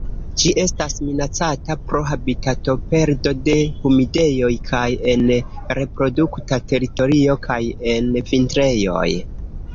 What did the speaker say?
Ĝi estas minacata pro habitatoperdo de humidejoj kaj en reprodukta teritorio kaj en vintrejoj.